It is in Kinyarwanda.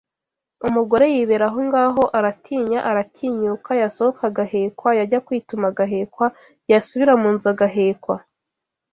Umugore yibera aho ngaho aratinya aratinyuka yasohoka agahekwa yajya kwituma agahekwa yasubira mu nzu agahekwa